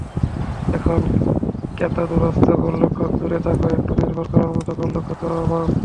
এখন কেতাদুরস্ত গোলরক্ষক দূরে থাক, একটু নির্ভর করার মতো গোলরক্ষকেরও অভাব।